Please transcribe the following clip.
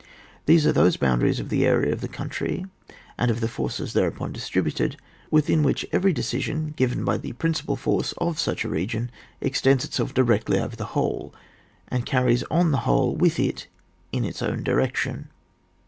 These are those boundaries of the area of the coun try and of the forces thereon distributed, within which every decision given by the principal force of such a region ex tends itself directly over the whole, and carries on the whole with it in its own direction.